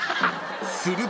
［すると］